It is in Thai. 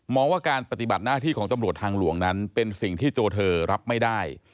ว่าการปฏิบัติหน้าที่ของตำรวจทางหลวงนั้นเป็นสิ่งที่ตัวเธอรับไม่ได้